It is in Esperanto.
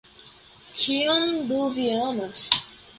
Kion do vi amas?